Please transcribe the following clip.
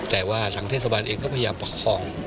แต่ว่าทางเทศบาลเองก็พยายามประคอง